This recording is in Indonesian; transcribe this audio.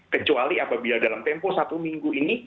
kecuali apabila dalam tempo satu minggu ini